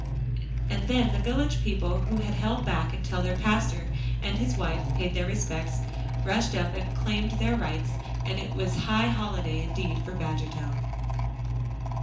And then the village people who had held back until their pastor and his wife paid their respects, rushed up and claimed their rights, and it was high holiday indeed for Badgertown.